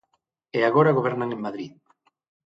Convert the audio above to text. E agora gobernan en Madrid.